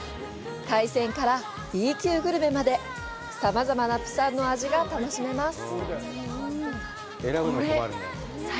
海鮮から、Ｂ級グルメまでさまざまな釜山の味が楽しめます。